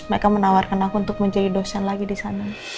mereka menawarkan aku untuk menjadi dosen lagi disana